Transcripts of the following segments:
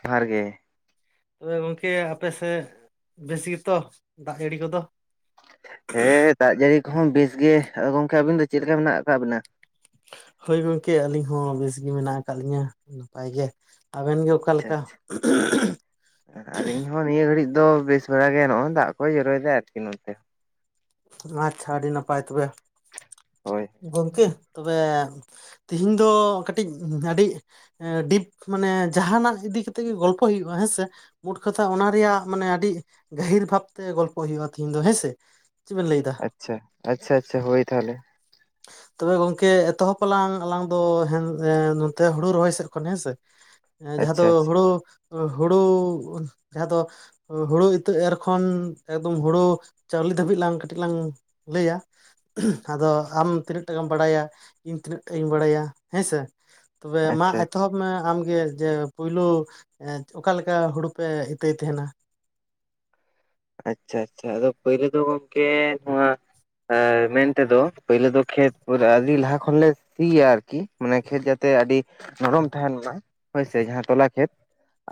ᱡᱚᱦᱟᱨ ᱜᱮ ᱛᱚᱵᱮ ᱜᱚᱝᱠᱮ ᱟᱯᱮ ᱥᱮᱫ ᱵᱮᱥ ᱜᱮᱛᱚ ᱫᱟᱜ ᱡᱟᱹᱲᱤ ᱠᱚᱫᱚ? ᱦᱮᱸ ᱫᱟᱜ ᱡᱟᱹᱲᱤ ᱠᱚᱦᱚᱸ ᱵᱮᱥ ᱜᱮ ᱟᱫᱚ ᱜᱚᱢᱠᱮ ᱟᱹᱵᱤᱱ ᱫᱚ ᱪᱮᱫ ᱞᱮᱠᱟ ᱢᱮᱱᱟᱜ ᱠᱟᱜ ᱵᱤᱱᱟ? ᱦᱳᱭ ᱜᱚᱝᱠᱮ ᱟᱹᱞᱤᱧ ᱦᱚᱸ ᱵᱮᱥ ᱜᱮ ᱢᱮᱱᱟᱜ ᱟᱠᱟᱫ ᱞᱤᱧᱟᱹ ᱱᱟᱯᱟᱭ ᱜᱮ ᱟᱵᱮᱱ ᱜᱮ ᱚᱠᱟᱞᱮ ᱞᱮᱠᱟ ᱟᱞᱤᱧ ᱦᱚᱸ ᱱᱤᱭᱟᱹ ᱜᱷᱟᱹᱲᱤᱡ ᱫᱚ ᱵᱮᱥ ᱵᱷᱟᱲᱟ ᱜᱮ ᱱᱚᱜ-ᱚᱭ ᱫᱟᱜ ᱠᱚᱭ ᱡᱚᱨᱚᱭᱮᱫᱟ ᱟᱨᱠᱤ ᱱᱚᱛᱮ᱾ ᱟᱪᱪᱷᱟ ᱟᱹᱰᱤ ᱱᱟᱯᱟᱭ ᱛᱚᱵᱮ ᱦᱳᱭ ᱜᱚᱢᱠᱮ ᱛᱚᱵᱮ ᱛᱮᱦᱤᱧ ᱫᱚ ᱠᱟᱹᱴᱤᱡ ᱟᱹᱰᱤ ᱰᱤᱯ ᱢᱟᱱᱮ ᱡᱟᱦᱟᱱᱟᱜ ᱤᱫᱤ ᱠᱟᱛᱮᱜ ᱜᱮ ᱜᱚᱞᱯᱚ ᱦᱩᱭᱩᱜ-ᱟ ᱦᱮᱸᱥᱮ᱾ ᱢᱳᱴ ᱠᱟᱛᱷᱟ ᱚᱱᱟ ᱨᱮᱭᱟᱜ ᱢᱟᱱᱮ ᱟᱹᱰᱤ ᱜᱟᱹᱦᱤᱨ ᱵᱷᱟᱵᱽᱛᱮ ᱜᱚᱞᱯᱚ ᱦᱩᱭᱩᱜ-ᱟ ᱛᱤᱦᱤᱧ ᱫᱚ ᱦᱮᱸᱥᱮ ᱪᱮᱫ ᱵᱮᱱ ᱞᱟᱹᱭ ᱫᱟ? ᱟᱪᱪᱷᱟ ᱟᱪᱪᱷᱟ ᱟᱪᱪᱷᱟ ᱦᱳᱭ ᱛᱟᱦᱚᱞᱮ ᱛᱚᱵᱮ ᱜᱚᱝᱠᱮ ᱮᱛᱚᱦᱚᱯ ᱟᱞᱟᱝ ᱟᱞᱟᱝ ᱫᱚ ᱦᱮᱱ ᱱᱚᱛᱮ ᱦᱩᱲᱩ ᱨᱚᱦᱚᱭ ᱥᱮᱫ ᱠᱷᱚᱱ ᱦᱮᱸᱥᱮ [inaudible] ᱡᱟᱦᱟᱸ ᱫᱚ ᱟᱪᱪᱷᱟ ᱦᱩᱲᱩ ᱦᱩᱲᱩ ᱡᱟᱦᱟᱸ ᱫᱚ ᱦᱩᱲᱩ ᱤᱛᱟᱹ ᱮᱨ ᱠᱷᱚᱱ ᱮᱠᱫᱚᱢ ᱦᱩᱲᱩ ᱪᱟᱣᱞᱮ ᱫᱷᱟᱹᱵᱤᱡ ᱞᱟᱝ ᱠᱟᱹᱴᱤᱡ ᱞᱟᱝ ᱞᱟᱹᱭ ᱟ ᱟᱫᱚ ᱟᱢ ᱛᱤᱱᱟᱹᱜ ᱴᱟᱠᱟᱢ ᱵᱟᱲᱟᱭᱟ ᱤᱧ ᱛᱤᱱᱟᱹᱜ ᱴᱟᱜ ᱤᱧ ᱵᱟᱲᱟᱭᱟ ᱦᱮᱸᱥᱮ ᱛᱚᱵᱮ ᱢᱟ ᱟᱪᱪᱷᱟ ᱟᱪᱪᱷᱟ ᱮᱛᱚᱦᱚᱵ ᱢᱟ ᱟᱢᱜᱮ ᱡᱮ ᱯᱩᱭᱞᱩ ᱮᱸ ᱚᱠᱟ ᱞᱮᱠᱟ ᱦᱩᱲᱩ ᱯᱮ ᱤᱛᱟᱹᱭ ᱛᱟᱦᱮᱸᱱᱟ? ᱟᱪᱪᱷᱟ ᱟᱪᱪᱷᱟ ᱟᱫᱚ ᱯᱳᱭᱞᱩ ᱫᱚ ᱜᱚᱝᱠᱮ ᱱᱚᱣᱟ ᱦᱮᱸ ᱢᱮᱱᱛᱮᱫᱚ ᱯᱟᱹᱭᱞᱟᱹ ᱫᱚ ᱠᱷᱮᱛ ᱯᱩᱨᱟᱹ ᱟᱹᱫᱤ ᱞᱟᱦᱟ ᱠᱷᱚᱱ ᱞᱮ ᱴᱷᱤᱠ ᱜᱮᱭᱟ ᱟᱨᱠᱤ ᱢᱟᱱᱮ ᱠᱷᱮᱛ ᱡᱟᱛᱮ ᱟᱹᱰᱤ ᱱᱚᱨᱚᱢ ᱛᱟᱦᱮᱸᱱ ᱢᱟᱭ, ᱦᱳᱭᱥᱮ ᱡᱟᱦᱟᱸ ᱴᱚᱞᱟ ᱠᱷᱮᱛ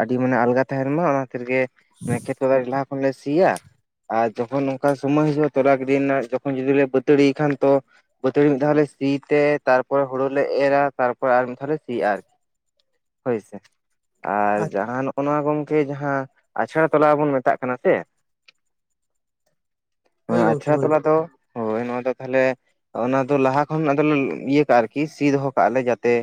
ᱟᱹᱰᱤ ᱢᱟᱱᱮ ᱟᱞᱜᱟ ᱛᱟᱦᱮᱸᱱ ᱢᱟ, ᱚᱱᱟ ᱠᱷᱟᱛᱤᱨ ᱜᱮ ᱢᱟᱱᱮ ᱠᱷᱮᱛ ᱠᱚᱨᱮ ᱞᱟᱦᱟ ᱠᱷᱚᱱ ᱞᱮ ᱥᱤᱭᱟ ᱟᱨ ᱡᱚᱠᱷᱚᱱ ᱱᱚᱝᱠᱟ ᱥᱚᱢᱚᱭ ᱦᱤᱡᱩᱜᱼᱟ ᱛᱚᱨᱟ ᱜᱤᱰᱤ ᱨᱮᱱᱟᱜ ᱡᱚᱠᱷᱚᱱ ᱡᱩᱫᱤ ᱞᱮ ᱵᱟᱹᱛᱟᱹᱲᱤᱭ ᱠᱷᱟᱱ ᱛᱚ ᱵᱟᱹᱛᱟᱹᱲᱤ ᱢᱤᱫ ᱫᱷᱟᱣ ᱞᱮ ᱥᱤ ᱛᱮ ᱛᱟᱨᱯᱚᱨ ᱦᱩᱲᱩ ᱞᱮ ᱮᱨᱼᱟ ᱛᱟᱨᱯᱚᱨ ᱟᱨ ᱢᱤᱫ ᱫᱷᱟᱣ ᱞᱮ ᱥᱤ ᱟᱨ- ᱦᱚᱭ ᱥᱮ, ᱟᱨ ᱡᱟᱦᱟᱸ ᱱᱚᱜᱼᱱᱚᱣᱟ ᱜᱚᱝᱠᱮ ᱡᱟᱦᱟᱸ ᱟᱪᱷᱲᱟ ᱛᱚᱞᱟ ᱵᱚᱱ ᱢᱮᱛᱟᱜ ᱠᱟᱱᱟ ᱪᱮ, ᱦᱳᱭ ᱚᱱᱟ ᱜᱚᱝᱠᱮ ᱟᱪᱷᱲᱟ ᱦᱳᱭ ᱛᱚᱞᱟ ᱫᱚ ᱦᱳᱭ ᱱᱚᱣᱟ ᱫᱚ ᱛᱟᱦᱮᱞᱮ ᱚᱱᱟ ᱫᱚ ᱞᱟᱦᱟ ᱠᱷᱚᱱ ᱟᱫᱚ ᱞᱮ ᱞᱮ ᱤᱭᱟᱹ ᱠᱟᱜᱼᱟ ᱟᱨᱠᱤ ᱥᱤ ᱫᱚᱦᱚ ᱠᱟᱜ ᱞᱮ ᱡᱟᱛᱮ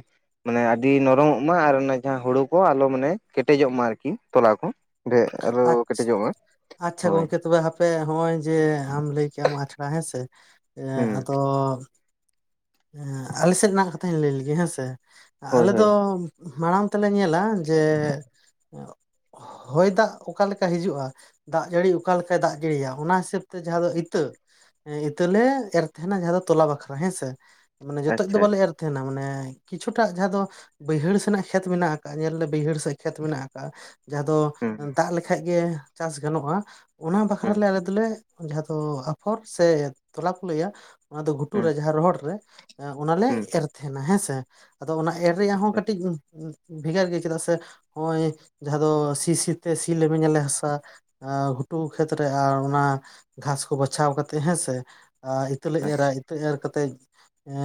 ᱢᱟᱱᱮ ᱟᱹᱰᱤ ᱱᱚᱨᱚᱢᱚᱜ ᱢᱟ ᱟᱨ ᱚᱱᱟ ᱡᱟᱦᱟᱸ ᱦᱩᱲᱩ ᱠᱚ ᱟᱞᱚ ᱢᱟᱱᱮ ᱠᱮᱴᱮᱡᱚᱜ ᱢᱟ ᱟᱨᱠᱤ ᱛᱚᱞᱟ ᱠᱚ ᱰᱮᱜ ᱟᱞᱚ ᱟᱪᱪᱷᱟ ᱠᱮᱴᱮᱡᱚᱜ ᱢᱟ᱾ ᱟᱪᱪᱷᱟ ᱦᱳᱭ ᱜᱚᱝᱠᱮ ᱛᱚᱵᱮ ᱦᱟᱯᱮ ᱦᱚᱸᱜᱼᱚᱭ ᱡᱮ ᱟᱢ ᱞᱟᱹᱭ ᱠᱮᱜᱼᱟᱢ ᱟᱪᱷᱲᱟ ᱦᱮᱸᱥᱮ, ᱮᱸ ᱦᱩᱸ ᱟᱫᱚᱻᱻ ᱦᱮᱸ ᱟᱞᱮ ᱥᱮᱫ ᱨᱮᱱᱟᱜ ᱠᱟᱛᱷᱟᱧ ᱞᱟᱹᱭ ᱞᱮᱜᱮ ᱦᱮᱸᱥᱮ ᱦᱳᱭ ᱟᱞᱮ ᱫᱚᱻᱻ ᱦᱳᱭ ᱢᱟᱲᱟᱝ ᱛᱮᱞᱮ ᱧᱮᱞᱟ ᱡᱮ ᱦᱚᱻᱭ ᱫᱟᱜ ᱚᱠᱟᱞᱮᱠᱟ ᱦᱤᱡᱩᱜᱼᱟᱻᱻ ᱫᱟᱜ ᱡᱟᱹᱲᱤ ᱚᱠᱟ ᱞᱮᱠᱟᱭ ᱫᱟᱜ ᱡᱟᱹᱲᱤᱭᱟ ᱚᱱᱟ ᱦᱤᱥᱟᱹᱵ ᱛᱮ ᱡᱟᱦᱟᱸ ᱫᱚ ᱤᱛᱟᱹ, ᱮᱸ ᱤᱛᱟᱹ ᱞᱮ ᱮᱨ ᱛᱟᱦᱮᱸᱱᱟ ᱡᱟᱦᱟᱸ ᱫᱚ ᱛᱚᱞᱟ ᱵᱟᱠᱷᱨᱟ ᱦᱮᱸᱥᱮ᱾ ᱢᱟᱱᱮ ᱡᱚᱛᱚᱡ ᱫᱚ ᱟᱪᱪᱷᱟ ᱵᱟᱞᱮ ᱮᱨ ᱛᱟᱦᱮᱸᱱᱟ ᱢᱟᱱᱮ ᱠᱤᱪᱷᱩ ᱴᱟᱜ ᱡᱟᱦᱟᱸ ᱫᱚ ᱵᱟᱹᱭᱦᱟᱹᱲ ᱥᱮᱱᱟᱜ ᱠᱷᱮᱛ ᱢᱮᱱᱟᱜ ᱟᱠᱟᱜᱼᱟ ᱧᱮᱞ ᱞᱮ ᱵᱟᱹᱭᱦᱟᱹᱲ ᱥᱮᱫ ᱠᱷᱮᱛ ᱢᱮᱱᱟᱜ ᱟᱠᱟᱫᱼᱟ ᱡᱟᱦᱟᱸ ᱫᱚᱻᱻ ᱦᱩᱸ ᱫᱟᱜ ᱞᱮᱠᱷᱟᱡ ᱜᱮ ᱪᱟᱥ ᱜᱟᱱᱚᱜᱼᱟ ᱚᱱᱟ ᱵᱟᱠᱷᱨᱟ ᱦᱩᱸ ᱞᱮ ᱟᱞᱮ ᱫᱚᱞᱮᱻᱼ ᱡᱟᱦᱟᱸ ᱫᱚ ᱟᱯᱷᱚᱨ ᱥᱮ ᱛᱚᱞᱟ ᱠᱚ ᱞᱟᱹᱭᱟ ᱚᱱᱟ ᱫᱚ ᱜᱷᱩᱴᱩ ᱦᱩᱸ ᱨᱮ ᱡᱟᱦᱟᱸ ᱨᱚᱦᱚᱲ ᱨᱮᱻᱻ ᱮᱸ ᱚᱱᱟᱞᱮ ᱦᱩᱸ ᱮᱨ ᱛᱟᱦᱮᱸᱱᱟ ᱦᱮᱸᱥᱮ ᱟᱫᱚ ᱚᱱᱟ ᱮᱨ ᱨᱮᱭᱟᱜ ᱦᱚᱸ ᱠᱟᱹᱴᱤᱡᱻᱻ ᱵᱷᱮᱜᱟᱨ ᱜᱮ ᱪᱮᱫᱟᱜ ᱥᱮ ᱱᱚᱜᱼᱚᱭ ᱡᱟᱦᱟᱸ ᱫᱚ ᱥᱤ ᱥᱤᱛᱮ ᱥᱤ ᱞᱮᱢᱮᱧᱟᱞᱮ ᱦᱟᱥᱟᱼᱻ ᱟ ᱜᱷᱩᱴᱩ ᱠᱷᱮᱛ ᱨᱮ ᱟᱨ ᱚᱱᱟ ᱜᱷᱟᱥ ᱠᱚ ᱵᱟᱪᱷᱟᱣ ᱠᱟᱛᱮ ᱦᱮᱸᱥᱮᱻ ᱟ ᱤᱛᱟᱹ ᱞᱮ ᱮᱨᱟ, ᱟᱪᱪᱷᱟ ᱤᱛᱟᱹ ᱮᱨ ᱠᱟᱛᱮᱡᱻᱻ ᱮᱸ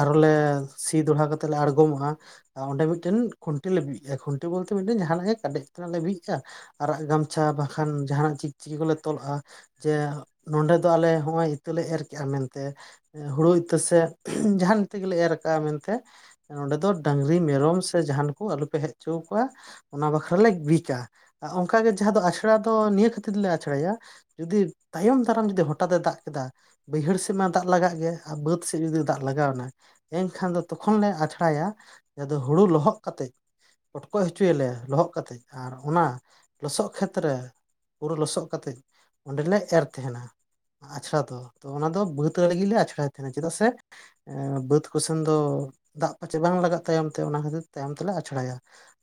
ᱟᱨ ᱦᱚᱞᱮ ᱥᱤ ᱫᱚᱲᱦᱟ ᱠᱟᱛᱮ ᱞᱮ ᱟᱬᱜᱚᱢᱚᱜᱼᱟ᱾ ᱟ ᱚᱸᱰᱮ ᱢᱤᱫᱴᱮᱱ ᱠᱷᱩᱱᱴᱤ ᱞᱮ ᱵᱤᱫ ᱠᱟᱜᱼᱟ, ᱠᱷᱩᱱᱴᱤ ᱵᱚᱞᱛᱮ ᱢᱤᱫᱴᱮᱱ ᱡᱟᱦᱟᱸᱱᱟᱜ ᱜᱮ ᱠᱟᱰᱮᱡ ᱛᱟᱱᱟᱜ ᱞᱮ ᱵᱤᱫ ᱠᱟᱜ, ᱟᱨᱟᱜ ᱜᱟᱢᱪᱷᱟ ᱵᱟᱠᱷᱟᱱ ᱡᱟᱦᱟᱸᱱᱟᱜ ᱪᱤᱠ ᱪᱤᱠᱤ ᱠᱚᱞᱮ ᱛᱚᱞ ᱞᱟᱜᱼᱟ, ᱡᱮ ᱱᱚᱸᱰᱮ ᱫᱚ ᱟᱞᱮ ᱦᱚᱸᱜᱼᱚᱭ ᱤᱛᱟᱹ ᱞᱮ ᱮᱨ ᱠᱮᱜᱼᱟ ᱢᱮᱱᱛᱮ, ᱦᱩᱲᱩᱭ ᱤᱛᱟᱹ ᱥᱮ [unintelligible] ᱡᱟᱦᱟᱸᱱ ᱤᱛᱟᱹ ᱜᱮᱞᱮ ᱮᱨ ᱟᱠᱟᱼᱟ ᱢᱮᱱᱛᱮ ᱱᱚᱰᱮ ᱫᱚ ᱰᱟᱺᱜᱽᱨᱤ, ᱢᱮᱨᱚᱢ ᱥᱮ ᱡᱟᱦᱟᱸᱱ ᱠᱚ ᱟᱹᱞᱩ ᱯᱮ ᱦᱮᱡ ᱚᱪᱚ ᱟᱠᱚᱣᱟ ᱚᱱᱟ ᱵᱟᱠᱷᱨᱟ ᱞᱮ ᱵᱤᱪᱼᱟ, ᱟ ᱚᱸᱠᱟ ᱜᱮ ᱡᱟᱦᱟᱸ ᱫᱚ ᱟᱥᱲᱟ ᱫᱚ ᱱᱤᱭᱟᱹ ᱠᱷᱟᱹᱛᱤᱨ ᱞᱮ ᱟᱪᱷᱲᱟᱭᱟ ᱡᱩᱫᱤ ᱛᱟᱭᱚᱢ ᱫᱟᱨᱟᱢ ᱡᱩᱫᱤ ᱦᱚᱴᱟᱛ ᱮ ᱫᱟᱜ ᱠᱮᱫᱟ ᱵᱟᱹᱭᱦᱟᱹᱲ ᱥᱮᱫ ᱢᱟ ᱫᱟᱜ ᱞᱟᱜᱟᱜ ᱜᱮᱭᱟ, ᱟ ᱵᱟᱹᱫᱽ ᱥᱮᱡ ᱡᱩᱫᱤ ᱫᱟᱜ ᱞᱟᱜᱟᱣᱮᱱᱟ ᱮᱸᱠᱷᱟᱱ ᱫᱚ ᱛᱚᱠᱷᱚᱱ ᱞᱮ ᱟᱪᱷᱲᱟᱭᱟ ᱡᱟ ᱫᱚ ᱦᱩᱲᱩ ᱞᱚᱦᱚᱫ ᱠᱟᱛᱮᱡ ᱯᱚᱴᱠᱚᱡ ᱦᱚᱪᱚᱭᱟᱞᱮ ᱞᱚᱦᱚᱜ ᱠᱟᱛᱮᱡ ᱟᱨ ᱚᱱᱟ ᱞᱚᱥᱚᱜ ᱠᱷᱮᱛ ᱨᱮ ᱯᱩᱨᱟᱹ ᱞᱚᱥᱚᱜ ᱠᱟᱛᱮᱡ ᱚᱸᱰᱮ ᱞᱮ ᱮᱨ ᱛᱟᱦᱮᱸᱱᱟ᱾ ᱟᱪᱷᱲᱟ ᱫᱚ ᱛᱚ ᱚᱱᱟ ᱫᱚ ᱵᱟᱹᱫᱽ ᱟᱲᱮ ᱜᱮᱞᱮ ᱟᱪᱷᱲᱟᱭ ᱛᱟᱦᱮᱸᱱᱟ ᱪᱮᱫᱟᱜ ᱥᱮ ᱮᱸ ᱵᱟᱹᱫᱽ ᱠᱚᱥᱮᱱ ᱫᱚ ᱫᱟᱜ ᱯᱟᱪᱷᱮ ᱵᱟᱝ ᱞᱟᱜᱟᱜ ᱛᱟᱭᱚᱢ ᱛᱮ ᱚᱱᱟ ᱠᱷᱟᱹᱛᱤᱨ ᱛᱟᱭᱚᱢ ᱛᱮᱞᱮ ᱟᱪᱷᱲᱟᱭᱟ᱾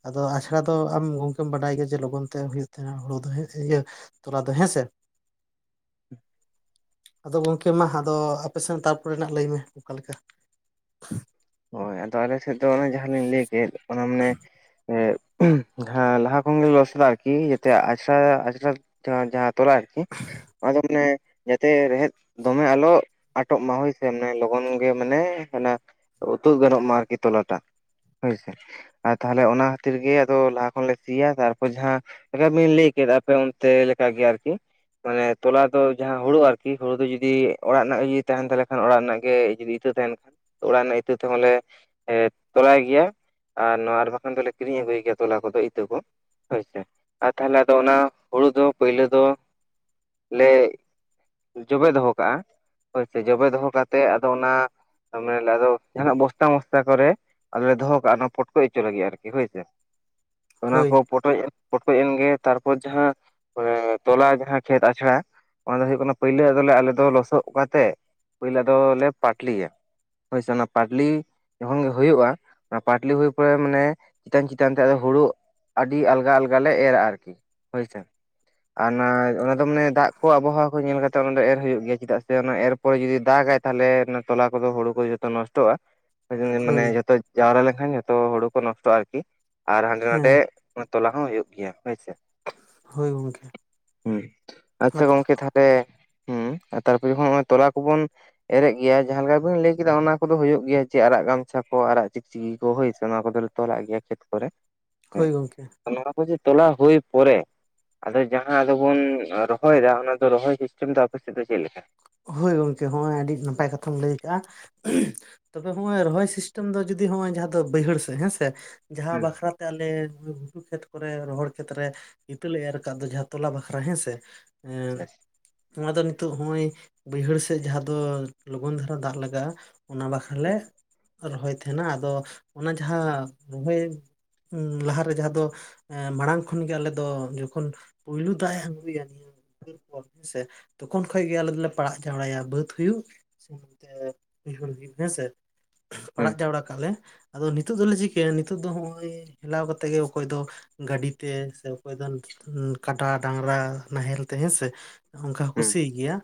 ᱟᱫᱚ ᱟᱪᱲᱟ ᱫᱚ ᱟᱢ ᱜᱚᱝᱠᱮᱢ ᱵᱟᱰᱟᱭ ᱜᱮᱭᱟ ᱡᱮ ᱞᱚᱜᱚᱱ ᱛᱮ ᱦᱩᱭᱩᱜ ᱛᱟᱦᱮᱸᱱᱟ ᱦᱩᱲᱳ ᱫᱚ ᱦᱮᱸᱥᱮ, ᱤᱭᱟᱹ ᱛᱚᱞᱟ ᱫᱚ ᱦᱮᱸᱥᱮ? [inaudible] ᱟᱫᱚ ᱜᱚᱝᱠᱮ ᱢᱟ ᱟᱫᱚ ᱟᱯᱮ ᱥᱮᱱ ᱛᱟᱨᱯᱚᱨᱮ ᱞᱟᱹᱭ ᱢᱮ ᱚᱱᱠᱟ ᱞᱮᱠᱟ᱾ ᱦᱳᱭ ᱟᱫᱚ ᱟᱞᱮ ᱥᱮᱫ ᱫᱚ ᱚᱱᱮ ᱡᱟᱦᱟᱸ ᱞᱤᱧ ᱞᱟᱹᱭ ᱠᱮᱫ ᱚᱱᱟ ᱢᱟᱱᱮ ᱮᱸ ᱡᱟᱦᱟ ᱞᱟᱦᱟ ᱠᱷᱚᱱ ᱜᱮ ᱞᱚᱥᱟ ᱟᱨᱠᱤ ᱡᱟᱛᱮ ᱟᱪᱲᱟ ᱟᱪᱲᱟ ᱡᱟᱦᱟᱸ ᱡᱟᱦᱟᱸ ᱛᱚᱞᱟ ᱟᱨᱠᱤ ᱚᱱᱟ ᱫᱚ ᱢᱟᱱᱮ ᱡᱟᱛᱮ ᱨᱮᱦᱮᱫ ᱫᱚᱢᱮ ᱟᱞᱚ ᱟᱴᱚᱜ ᱢᱟ ᱦᱳᱭ ᱥᱮ ᱢᱟᱱᱮ ᱞᱚᱜᱚᱱ ᱜᱮ ᱢᱟᱱᱮ ᱚᱱᱟ ᱛᱩᱫ ᱜᱟᱱᱚᱜ ᱢᱟ ᱟᱨᱠᱤ ᱛᱚᱞᱟᱴᱟ ᱦᱳᱭᱥᱮ᱾ ᱟᱨ ᱛᱟᱦᱚᱞᱮ ᱚᱱᱟ ᱠᱷᱟᱹᱛᱤᱨ ᱜᱮ ᱟᱫᱚ ᱞᱟᱦᱟ ᱠᱷᱚᱱᱞᱮ ᱥᱤᱭᱟ ᱛᱟᱨᱯᱚᱨ ᱡᱟᱦᱟᱸ ᱚᱱᱮᱵᱤᱱ ᱞᱟᱹᱭ ᱠᱮᱫᱟ ᱟᱯᱮ ᱚᱱᱛᱮ ᱞᱮᱠᱟᱜᱮ ᱟᱨᱠᱤ ᱢᱟᱱᱮ ᱛᱚᱞᱟ ᱫᱚ ᱡᱟᱦᱟᱸ ᱦᱩᱲᱩ ᱟᱨᱠᱤ ᱦᱩᱲᱩ ᱫᱚ ᱡᱩᱫᱤ ᱚᱲᱟᱜ ᱨᱮᱱᱟᱜ ᱜᱮ ᱡᱩᱫᱤ ᱛᱟᱦᱮᱱ ᱛᱟᱦᱚᱞᱮ ᱠᱷᱟᱱ ᱚᱲᱟᱜ ᱨᱮᱱᱟᱜ ᱜᱮ ᱡᱩᱫᱤ ᱤᱛᱟᱹ ᱛᱟᱦᱮᱱ ᱠᱷᱟᱱ ᱚᱲᱟᱜ ᱨᱮᱱᱟᱜ ᱤᱛᱟᱹ ᱛᱮᱦᱚᱸᱞᱮ ᱛᱚᱞᱟᱭ ᱜᱮᱭᱟ᱾ ᱟᱨ ᱱᱚᱣᱟ ᱟᱨ ᱵᱟᱠᱷᱟᱱ ᱫᱚᱞᱮ ᱠᱤᱨᱤᱧ ᱟᱹᱜᱩᱭ ᱜᱮᱭᱟ ᱛᱚᱞᱟ ᱠᱚᱫᱚ ᱤᱛᱟᱹ ᱠᱚ᱾ ᱦᱳᱭᱥᱮ ᱟᱨ ᱛᱟᱦᱚᱞᱮ ᱟᱫᱚ ᱚᱱᱟ ᱦᱩᱲᱩ ᱫᱚ ᱯᱳᱭᱞᱳ ᱫᱚ ᱞᱮ ᱡᱚᱵᱮ ᱫᱚᱦᱚ ᱠᱟᱜ-ᱟ ᱦᱳᱭᱥᱮ ᱡᱚᱵᱮ ᱫᱚᱦᱚ ᱠᱟᱛᱮᱫ ᱟᱫᱚ ᱚᱱᱟᱢ ᱢᱟᱱᱮ ᱟᱫᱚ ᱡᱟᱦᱟᱱᱟᱜ ᱵᱚᱥᱛᱟ ᱢᱚᱥᱛᱟ ᱠᱚᱨᱮ ᱟᱨ ᱞᱮ ᱫᱚᱦᱚ ᱠᱟ-ᱟ ᱚᱱᱟ ᱯᱚᱴᱠᱚ ᱦᱚᱪᱚ ᱞᱟᱹᱜᱤᱫ ᱟᱨᱠᱤ ᱦᱳᱭᱥᱮ᱾ ᱚᱱᱟ ᱠᱚ ᱦᱳᱭ ᱯᱚᱴᱚᱡ ᱯᱚᱴᱠᱚᱡ ᱮᱱᱜᱮ ᱛᱟᱨᱯᱚᱨ ᱡᱟᱦᱟᱸ ᱛᱚᱞᱟ ᱡᱟᱦᱟᱸ ᱠᱷᱮᱛ ᱟᱪᱲᱟ ᱚᱱᱟ ᱫᱚ ᱦᱩᱭᱩᱜ ᱠᱟᱱᱟ ᱯᱳᱭᱞᱳ ᱫᱚᱞᱮ ᱟᱞᱮ ᱫᱚ ᱞᱚᱥᱚᱫ ᱠᱟᱛᱮᱫ ᱯᱳᱭᱞᱳ ᱫᱚᱞᱮ ᱯᱟᱴᱞᱤᱭᱟ ᱦᱳᱭ ᱥᱮ ᱯᱟᱴᱞᱤ ᱡᱚᱠᱷᱚᱱ ᱜᱮ ᱦᱩᱭᱩᱜ-ᱟ ᱯᱟᱴᱞᱤ ᱦᱩᱭ ᱯᱚᱨᱮ ᱢᱟᱱᱮ ᱪᱮᱛᱟᱱ ᱪᱮᱛᱟᱱ ᱛᱮ ᱦᱩᱲᱩ ᱟᱹᱰᱤ ᱟᱞᱜᱟ ᱟᱞᱜᱟ ᱞᱮ ᱮᱨᱟ ᱟᱨᱠᱤ ᱦᱳᱭᱥᱮ ᱟᱨ ᱚᱱᱟ ᱚᱱᱟ ᱫᱚ ᱢᱟᱱᱮ ᱫᱟᱜ ᱠᱚ ᱟᱵᱚᱦᱟᱣᱟ ᱠᱚ ᱧᱮᱞ ᱠᱟᱛᱮᱜ ᱚᱱᱟ ᱫᱚ ᱮᱨ ᱦᱩᱭᱩᱜ ᱜᱮᱭᱟ ᱪᱮᱫᱟᱜ ᱥᱮ ᱚᱱᱟ ᱮᱨ ᱯᱚᱨᱮ ᱡᱩᱫᱤ ᱫᱟᱜᱟᱭ ᱛᱟᱦᱚᱞᱮ ᱛᱚᱞᱟ ᱠᱚᱫᱚ ᱦᱩᱲᱩ ᱠᱚ ᱡᱚᱛᱚ ᱱᱚᱥ ᱱᱚᱥᱴᱚᱜ-ᱟ ᱢᱟᱱᱮ ᱦᱳᱭ ᱡᱷᱚᱛᱚ ᱡᱟᱣᱨᱟ ᱞᱮᱱᱠᱷᱟᱱ ᱡᱷᱚᱛᱚ ᱦᱩᱲᱩ ᱠᱚ ᱱᱚᱥᱴᱚᱜ-ᱟ ᱟᱨᱠᱤ ᱟᱨ ᱦᱟᱸᱰᱮ ᱱᱟᱰᱮ ᱦᱮᱸ ᱛᱚᱞᱟ ᱦᱚᱸ ᱦᱩᱭᱩᱜ ᱜᱮᱭᱟ᱾ ᱦᱳᱭ ᱥᱮ ᱦᱳᱭ ᱜᱚᱝᱠᱮ ᱦᱩᱸ ᱟᱪᱪᱷᱟ ᱟᱫᱚ ᱜᱚᱝᱠᱮ ᱛᱟ ᱦᱩᱸ ᱛᱟᱨᱯᱚᱨᱮ ᱦᱚᱸᱜ-ᱚᱭ ᱛᱚᱞᱟ ᱠᱚᱵᱚᱱ ᱮᱨᱮᱜ ᱜᱮᱭᱟ ᱡᱟᱦᱟᱸ ᱞᱮᱠᱟ ᱵᱤᱱ ᱞᱟᱹᱭ ᱠᱮᱫᱟ ᱚᱱᱟ ᱠᱚᱫᱚ ᱦᱩᱭᱩᱜ ᱜᱮᱭᱟ ᱡᱮ ᱟᱨᱟᱜ ᱜᱟᱢᱪᱷᱟ ᱠᱚ ᱟᱨᱟᱜ ᱪᱤᱠᱪᱤᱠᱤ ᱠᱚ ᱦᱳᱭ ᱥᱮ ᱚᱱᱟ ᱠᱚᱫᱚᱞᱮ ᱛᱚᱞᱟᱜ ᱜᱮᱭᱟ ᱠᱷᱮᱛ ᱠᱚᱨᱮ ᱦᱮᱸ᱾ ᱦᱳᱭ ᱜᱚᱝᱠᱮ ᱱᱚᱣᱟ ᱠᱚ ᱡᱮ ᱛᱚᱞᱟ ᱦᱩᱭ ᱯᱚᱨᱮ, ᱟᱫᱚ ᱡᱟᱦᱟᱸ ᱟᱫᱚ ᱵᱚᱱ ᱨᱚᱦᱚᱭ ᱮᱫᱟ ᱚᱱᱟ ᱫᱚ ᱨᱚᱦᱚᱭ ᱥᱤᱥᱴᱮᱢ ᱫᱚ ᱟᱯᱮ ᱥᱮᱫ ᱫᱚ ᱪᱮᱫ ᱞᱮᱠᱟ? ᱦᱳᱭ ᱜᱚᱝᱠᱮ ᱦᱚᱸᱜ-ᱚᱭ ᱟᱹᱰᱤ ᱱᱟᱯᱟᱭ ᱠᱟᱛᱷᱟᱢ ᱞᱟᱹᱭ ᱠᱟᱜ-ᱟ᱾ ᱛᱚᱵᱮ ᱦᱚᱸᱜ-ᱚᱭ ᱨᱚᱦᱚᱭ ᱥᱤᱥᱴᱮᱢ ᱫᱚ ᱡᱩᱫᱤ ᱦᱚᱸᱜ-ᱚᱭ ᱡᱟᱦᱟᱸ ᱫᱚ ᱵᱟᱹᱭᱦᱟᱹᱲ ᱥᱮᱫ ᱦᱮᱸ ᱥᱮ ᱡᱟᱦᱟᱸ ᱦᱩᱸ ᱵᱟᱠᱷᱨᱟ ᱛᱟᱞᱮ ᱜᱷᱩᱴᱩ ᱠᱷᱮᱛ ᱠᱚᱨᱮ ᱨᱚᱦᱚᱲ ᱠᱷᱮᱛᱨᱮ ᱤᱛᱟᱹ ᱞᱮ ᱮᱨ ᱠᱟᱫ ᱫᱚ ᱡᱟᱦᱟᱸ ᱛᱚᱞᱟ ᱵᱟᱠᱷᱨᱟ ᱦᱮᱸ ᱥᱮ ᱦᱮᱸ ᱱᱚᱣᱟ ᱫᱚ ᱱᱤᱛᱚᱜ ᱦᱚᱸᱜ-ᱚᱭ ᱵᱟᱹᱭᱦᱟᱹᱲ ᱥᱮᱫ ᱡᱟᱦᱟᱸ ᱫᱚ ᱞᱚᱜᱚᱱ ᱫᱷᱟᱨᱟ ᱫᱟᱜ ᱞᱟᱜᱟᱜ-ᱟ ᱚᱱᱟ ᱵᱟᱠᱷᱨᱟ ᱞᱮ ᱨᱚᱦᱚᱭ ᱛᱟᱦᱮᱱᱟ, ᱟᱫᱚ ᱚᱱᱟ ᱡᱟᱦᱟᱸ ᱨᱚᱦᱚᱭ ᱞᱟᱦᱟᱨᱮ ᱡᱟᱦᱟᱸ ᱫᱚ ᱢᱟᱲᱟᱝ ᱠᱷᱚᱱᱜᱮ ᱟᱞᱮ ᱫᱚ ᱡᱚᱠᱷᱚᱱ ᱯᱳᱭᱞᱳ ᱫᱟᱜ ᱮ ᱟᱜᱩᱭᱟ ᱱᱤᱭᱟᱹ ᱦᱮᱸ ᱥᱮ ᱛᱚᱠᱷᱚᱱ ᱠᱷᱚᱡ ᱜᱮ ᱟᱞᱮ ᱫᱚᱞᱮ ᱯᱟᱲᱟᱜ ᱡᱟᱣᱨᱟᱭᱟ ᱵᱟᱹᱫ ᱦᱩᱭᱩᱜ ᱥᱮ ᱱᱚᱛᱮ ᱩᱭᱦᱟᱹᱨ ᱦᱩᱭᱩᱜ ᱦᱮᱸᱥᱮ ᱯᱟᱲᱟᱜ ᱡᱟᱣᱨᱟ ᱠᱟᱜ ᱞᱮ ᱟᱫᱚ ᱱᱤᱛᱚᱜ ᱫᱚᱞᱮ ᱪᱤᱠᱟᱹᱭᱟ ᱱᱤᱛᱚᱜ ᱫᱚ ᱱᱚᱜ-ᱚᱭ ᱦᱮᱞᱟᱣ ᱠᱟᱛᱮᱫ ᱜᱮ ᱚᱠᱚᱭ ᱫᱚ ᱜᱟᱹᱰᱤ ᱛᱮ ᱥᱮ ᱚᱠᱚᱭ ᱫᱚ ᱠᱟᱰᱟ ᱰᱟᱝᱨᱟ ᱱᱟᱦᱮᱞ ᱛᱮ ᱦᱮᱸᱥᱮ ᱚᱱᱠᱟ ᱦᱚᱸ ᱦᱩᱸ ᱦᱩᱸ ᱠᱩᱥᱤᱭ ᱜᱮᱭᱟ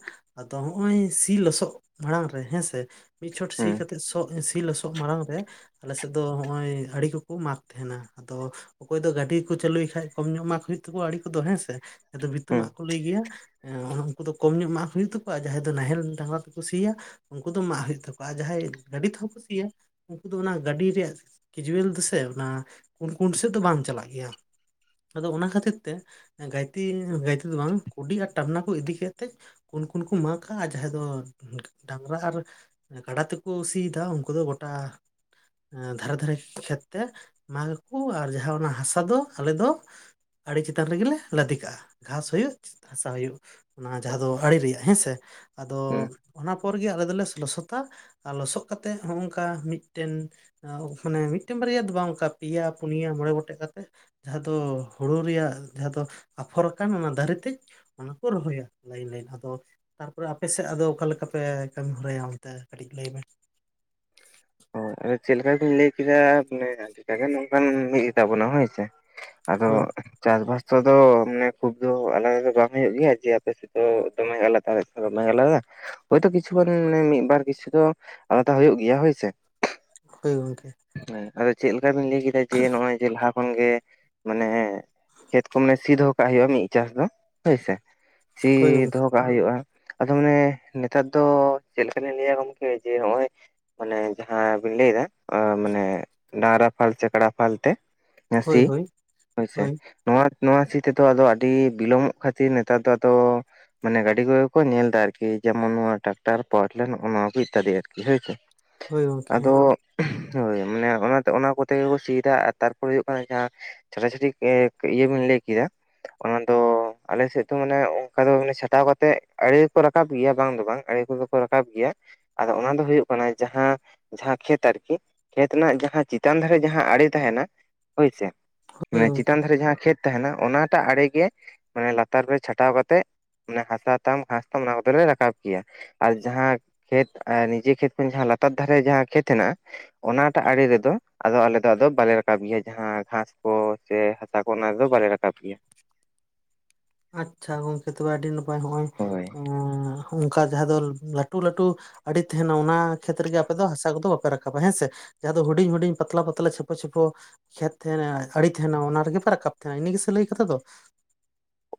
ᱟᱫᱚ ᱦᱚᱸᱜ-ᱚᱭ ᱥᱤ ᱞᱚᱥᱚᱫ ᱢᱟᱲᱟᱝ ᱨᱮ ᱦᱮᱸ ᱥᱮ ᱢᱤᱫ ᱪᱷᱚᱴ ᱦᱩᱸ ᱥᱤ ᱠᱟᱛᱮᱫ ᱥᱚᱜ ᱥᱤ ᱞᱚᱥᱚᱫ ᱢᱟᱲᱟᱝ ᱨᱮ ᱟᱞᱮ ᱥᱮᱫ ᱫᱚ ᱱᱚᱜ-ᱚᱭ ᱟᱹᱲᱤ ᱠᱚᱠᱚ ᱢᱟᱜ ᱛᱟᱦᱮᱱᱟ ᱟᱫᱚ ᱚᱠᱚᱭ ᱫᱚ ᱜᱟᱹᱰᱤ ᱠᱚ ᱪᱟᱹᱞᱩᱭ ᱠᱷᱟᱡ ᱠᱚᱢ ᱧᱚᱜ ᱢᱟᱜ ᱦᱩᱭᱩᱜ ᱛᱟᱠᱚᱣᱟ ᱟᱲᱮ ᱠᱚᱫᱚ ᱦᱮᱸ ᱥᱮ ᱵᱷᱤᱛᱟᱹ ᱦᱩᱸ ᱢᱟᱜ ᱠᱚ ᱞᱟᱹᱭ ᱜᱮᱭᱟ᱾ ᱦᱮᱸ ᱩᱱᱠᱩ ᱫᱚ ᱠᱚᱢ ᱧᱚᱜ ᱢᱟᱜ ᱦᱩᱭᱩᱜ ᱛᱟᱠᱚᱼᱼ ᱡᱟᱦᱟᱸᱭ ᱫᱚ ᱱᱟᱦᱮᱞ ᱰᱟᱝᱨᱟ ᱛᱮᱠᱚ ᱥᱤᱭᱟ ᱩᱱᱠᱩ ᱫᱚ ᱢᱟᱜ ᱦᱩᱭᱩᱜ ᱛᱟᱠᱚᱣᱟ ᱡᱟᱦᱟᱸᱭ ᱜᱟᱹᱰᱤ ᱛᱮᱦᱚᱸ ᱠᱚ ᱥᱤᱭᱟ᱾ ᱩᱱᱠᱩ ᱫᱚ ᱚᱱᱟ ᱜᱟᱹᱰᱤ ᱨᱮᱭᱟᱜ ᱠᱮᱡᱩᱭᱮᱞ ᱫᱚᱥᱮ ᱚᱱᱟ ᱠᱩᱱ ᱠᱩᱱ ᱥᱮᱫ ᱫᱚ ᱵᱟᱝ ᱪᱟᱞᱟᱜ ᱜᱮᱭᱟ᱾ ᱟᱫᱚ ᱚᱱᱟ ᱠᱷᱟᱹᱛᱤᱨ ᱛᱮ ᱫᱚ ᱵᱟᱝ ᱠᱩᱰᱤ ᱟᱨ ᱴᱟᱝᱱᱟ ᱠᱚ ᱤᱫᱤ ᱠᱮᱛᱮ ᱩᱱ ᱠᱚ ᱢᱟᱜᱼᱟ ᱟᱨ ᱡᱟᱦᱟᱸᱭ ᱫᱚᱼᱼ ᱰᱟᱝᱨᱟ ᱟᱨ ᱜᱟᱰᱟ ᱛᱮᱠᱚ ᱥᱤᱭᱮᱫᱟ ᱩᱱᱠᱩ ᱫᱚ ᱜᱚᱴᱟᱼᱼ ᱫᱷᱟᱨᱮ ᱫᱷᱟᱨᱮ ᱠᱷᱮᱛ ᱛᱮ ᱢᱟᱜ ᱟᱠᱚ ᱟᱨ ᱡᱟᱦᱟᱸ ᱚᱱᱟ ᱦᱟᱥᱟ ᱫᱚ ᱟᱞᱮ ᱫᱚᱼᱼ ᱟᱲᱮ ᱪᱮᱛᱟᱱ ᱨᱮᱜᱮᱞᱮ ᱞᱟᱫᱮ ᱠᱟᱜᱼᱟ ᱜᱷᱟᱸᱥ ᱦᱩᱭᱩᱜ ᱦᱟᱥᱟ ᱦᱩᱭᱩᱜ ᱚᱱᱟ ᱡᱟᱦᱟᱸ ᱫᱚ ᱟᱲᱮ ᱨᱮᱭᱟᱜ᱾ ᱦᱮᱸᱥᱮ ᱟᱫᱚ ᱦᱩᱸ ᱚᱱᱟ ᱯᱚᱨ ᱜᱮ ᱟᱞᱮ ᱫᱚᱞᱮ ᱞᱚᱥᱚᱫᱟ᱾ ᱟᱨ ᱞᱚᱥᱚᱫ ᱠᱟᱛᱮᱫ ᱦᱚᱸᱜ-ᱚ ᱱᱚᱝᱠᱟ ᱢᱤᱫᱴᱮᱱ ᱢᱟᱱᱮ ᱢᱤᱫᱴᱮᱱ ᱵᱟᱨᱭᱟ ᱫᱚ ᱵᱟᱝ ᱚᱱᱠᱟ ᱯᱮᱭᱟ ᱯᱩᱱᱭᱟ ᱢᱚᱬᱮ ᱜᱚᱴᱮᱡ ᱠᱟᱛᱮᱫ ᱡᱟᱦᱟᱸ ᱫᱚ ᱦᱩᱲᱩ ᱨᱮᱭᱟᱜ ᱡᱟᱦᱟᱸ ᱫᱚ ᱟᱯᱷᱚᱨ ᱟᱠᱟᱱᱟ ᱫᱟᱨᱮ ᱛᱮᱼᱼ ᱚᱱᱟ ᱠᱚ ᱨᱚᱦᱚᱭᱟ ᱞᱟᱭᱤᱱ ᱞᱟᱭᱤᱱ ᱟᱫᱚᱼᱼ ᱛᱟᱨᱯᱚᱨᱮ ᱟᱯᱮ ᱥᱮᱫ ᱟᱫᱚ ᱚᱠᱟ ᱞᱮᱠᱟ ᱯᱮ ᱠᱟᱹᱢᱤ ᱦᱚᱨᱟᱭᱟ ᱚᱱᱛᱮ ᱠᱟᱹᱴᱤᱡ ᱞᱟᱹᱭ ᱢᱮ? ᱦᱳᱭ ᱟᱫᱚ ᱪᱮᱫᱠᱟ ᱵᱤᱱ ᱞᱟᱹᱭ ᱠᱮᱫᱟ ᱟᱹᱰᱤᱴᱮ ᱱᱚᱝᱠᱟ ᱢᱤᱫ ᱜᱮᱛᱟᱵᱚᱱᱟ ᱦᱳᱭ ᱥᱮ ᱟᱫᱚᱼᱼ ᱦᱳᱭ ᱪᱟᱥᱵᱟᱥ ᱛᱮᱫᱚ ᱢᱟᱱᱮ ᱠᱷᱩᱵᱽ ᱫᱚ ᱟᱞᱟᱫᱟ ᱫᱚ ᱵᱟᱝ ᱦᱩᱭᱩᱜ ᱜᱮᱭᱟ ᱡᱮ ᱟᱯᱮᱥᱮᱫ ᱫᱚ ᱫᱚᱢᱮ ᱟᱞᱟᱫᱟ᱾ ᱵᱟᱝ ᱟᱞᱟᱫᱟ ᱦᱳᱭᱛᱳ ᱠᱤᱪᱷᱩᱜᱟᱱ ᱢᱮ ᱢᱤᱫ ᱵᱟᱨ ᱠᱤᱪᱷᱩ ᱫᱚ ᱟᱞᱟᱫᱟ ᱦᱩᱭᱩᱜ ᱜᱮᱭᱟ ᱦᱳᱭ ᱥᱮᱼᱼ ᱦᱳᱭ ᱜᱚᱢᱠᱮ ᱦᱮᱸ ᱟᱫᱚ ᱪᱮᱫ ᱞᱮᱠᱟ ᱵᱤᱱ ᱞᱟᱹᱭ ᱠᱮᱫᱟ ᱡᱮ ᱱᱚᱜ-ᱚᱭ ᱡᱮ ᱞᱟᱦᱟᱼᱼ ᱠᱷᱚᱱ ᱜᱮ ᱢᱟᱱᱮ ᱠᱷᱮᱛ ᱠᱚ ᱢᱟᱱᱮ ᱥᱤ ᱫᱚᱦᱚ ᱠᱟᱜ ᱦᱩᱭᱩᱜᱼᱟ ᱢᱤᱫ ᱪᱟᱥ ᱫᱚ ᱦᱳᱭ ᱥᱮ ᱥᱤ ᱦᱳᱭ ᱜᱚᱝᱠᱮ ᱫᱚᱦᱚ ᱠᱟᱜ ᱦᱩᱭᱩᱜᱼᱟ᱾ ᱟᱫᱚ ᱢᱟᱱᱮ ᱱᱮᱛᱟᱨ ᱫᱚ ᱪᱮᱫ ᱞᱮᱠᱟ ᱞᱤᱧ ᱞᱟᱹᱭᱼᱟ ᱜᱚᱝᱠᱮ ᱡᱮ ᱱᱚᱜᱼᱚᱭ ᱢᱟᱱᱮ ᱡᱟᱦᱟ ᱵᱤᱱ ᱞᱟᱹᱭ ᱫᱟ᱾ ᱢᱟᱱᱮ ᱰᱟᱹᱝᱨᱟ ᱯᱷᱟᱞ ᱪᱮ ᱠᱟᱰᱟ ᱯᱷᱟᱞ ᱛᱮ ᱚᱱᱮ ᱦᱳᱭ ᱥᱤ ᱦᱳᱭ ᱦᱳᱭ ᱥᱮ, ᱱᱚᱣᱟ ᱱᱚᱣᱟ ᱥᱤ ᱛᱮ ᱫᱚ ᱟᱹᱰᱤ ᱵᱤᱞᱚᱢ ᱚᱜ ᱠᱷᱟᱹᱛᱤᱨ ᱱᱮᱛᱟᱨ ᱫᱚ ᱟᱫᱚᱼᱼ ᱢᱟᱱᱮ ᱜᱟᱹᱰᱤ ᱠᱚ ᱜᱮ ᱠᱚ ᱧᱮᱞ ᱫᱟ ᱟᱨ ᱠᱤ ᱡᱮ ᱢᱚᱱ ᱱᱚᱣᱟ ᱴᱨᱟᱠᱴᱟᱨ ᱯᱟᱣᱟᱨ ᱴᱤᱞᱟᱨ ᱱᱚᱜᱚ ᱱᱚᱣᱟ ᱠᱚ ᱤᱛᱛᱟᱫᱤ ᱟᱨᱠᱤ ᱦᱳᱭ ᱥᱮ ᱦᱳᱭ ᱜᱚᱝᱠᱮ ᱟᱫᱚᱼᱼ ᱦᱳᱭ ᱢᱟᱱᱮ ᱚᱱᱟ ᱚᱱᱟ ᱠᱚᱛᱮ ᱜᱮᱠᱚ ᱥᱤ ᱫᱟ ᱟᱨ ᱛᱟᱨᱯᱚ ᱨᱮ ᱦᱩᱭᱩᱜ ᱠᱟᱱᱟ ᱡᱟᱦᱟ᱾ [unintelligible] ᱤᱭᱟᱹ ᱦᱚᱸᱧ ᱞᱟᱹᱭ ᱠᱮᱜᱟ᱾ ᱚᱱᱟ ᱫᱚ ᱟᱞᱮ ᱥᱮᱫ ᱫᱚ ᱢᱟᱱᱮ ᱚᱱᱠᱟ ᱫᱚ ᱪᱷᱟᱴᱟᱣ ᱠᱟᱛᱮᱜ ᱟᱲᱮ ᱠᱚ ᱨᱟᱠᱟᱵ ᱜᱮᱭᱟ ᱵᱟᱝ ᱫᱚ ᱵᱟᱝ ᱟᱲᱮ [unintelligible] ᱠᱚ ᱨᱟᱠᱟᱵ ᱜᱮᱭᱟ ᱟᱫᱚ ᱚᱱᱟ ᱫᱚ ᱦᱩᱭᱩᱜ ᱠᱟᱱᱟ ᱡᱟᱦᱟ ᱡᱟᱦᱟ ᱠᱷᱮᱛ ᱟᱨᱼᱼ ᱠᱤ ᱠᱷᱮᱛ ᱨᱮᱱᱟᱜ ᱡᱟᱦᱟ ᱪᱮᱛᱟᱱ ᱫᱷᱟᱨᱮ ᱡᱟᱦᱟ ᱟᱲᱮ ᱛᱟᱦᱮᱱᱟ ᱦᱳᱭ ᱥᱮ ᱦᱳᱭ ᱢᱟᱱᱮ ᱜᱚᱝᱠᱮ ᱪᱮᱛᱟᱱ ᱫᱷᱟᱨᱮ ᱡᱟᱦᱟ ᱠᱷᱮᱛ ᱛᱟᱦᱮᱱᱟ ᱚᱱᱟ ᱴᱟᱜ ᱟᱲᱮ ᱜᱮ ᱢᱟᱱᱮ ᱞᱟᱛᱟᱨ ᱨᱮ ᱪᱷᱟᱴᱟᱣ ᱠᱟᱛᱮᱜ ᱢᱟᱱᱮ ᱦᱟᱥᱟ ᱛᱟᱢ ᱜᱷᱟᱥ ᱛᱟᱢ ᱚᱱᱟ ᱠᱚᱫᱚ ᱞᱮ ᱨᱟᱠᱟᱵ ᱜᱮᱭᱟ᱾ ᱟᱨ ᱡᱟᱦᱟ ᱠᱷᱮᱛ ᱟᱨ ᱱᱤᱡᱮ ᱠᱷᱮᱛ ᱠᱷᱚᱱ ᱡᱟᱦᱟ ᱞᱟᱛᱟᱨ ᱫᱷᱟᱨᱮ ᱡᱟᱦᱟ ᱠᱷᱮᱛ ᱦᱮᱱᱟᱜᱼᱟ ᱚᱱᱟ ᱴᱟᱜ ᱟᱲᱮ ᱨᱮᱫᱚ ᱟᱫᱚ ᱟᱞᱮ ᱫᱚ ᱵᱟᱞᱮ ᱨᱟᱠᱟᱵ ᱜᱮᱭᱟ ᱡᱟᱦᱟ ᱜᱷᱟᱥ ᱠᱚ ᱥᱮᱼᱼ ᱥᱟ ᱠᱚ ᱚᱱᱟ ᱨᱮᱫᱚ ᱵᱟᱞᱮ ᱨᱟᱠᱟᱵ ᱜᱮᱭᱟ᱾ ᱟᱪᱪᱷᱟ ᱜᱚᱝᱠᱮ ᱛᱚᱵᱮ ᱟᱹᱰᱤ ᱱᱟᱯᱟᱭ ᱦᱚᱜᱼᱚᱭ ᱦᱳᱭ ᱚᱱᱠᱟ ᱡᱟᱦᱟ ᱫᱚ ᱞᱟᱹᱴᱩ ᱞᱟᱹᱴᱩ ᱟᱲᱮ ᱛᱟᱦᱮᱱᱟ ᱚᱱᱟ ᱠᱷᱮᱛ ᱨᱮᱜᱮ ᱟᱯᱮ ᱫᱚ ᱦᱟᱥᱟ ᱠᱚᱫᱚ ᱵᱟᱯᱮ ᱨᱟᱠᱟᱵᱟ ᱦᱮᱸ ᱥᱮ ᱡᱟᱦᱟ ᱫᱚ ᱦᱩᱸᱰᱤᱧ ᱦᱩᱸᱰᱤᱧ ᱯᱟᱛᱞᱟ ᱯᱟᱛᱞᱟ ᱪᱷᱮᱯᱚ ᱪᱷᱮᱯᱚᱼᱼ ᱠᱷᱮᱛ ᱛᱟᱦᱮᱱᱟ ᱟᱲᱮ ᱛᱟᱦᱮᱱᱟ ᱚᱱᱟ ᱨᱮᱜᱮ ᱯᱮ ᱨᱟᱠᱟᱵ ᱛᱟᱦᱮᱱᱟ ᱤᱱᱟᱹ ᱜᱮ ᱥᱮ ᱞᱟᱹᱭ ᱠᱟᱛᱷᱟ ᱫᱚᱼᱼ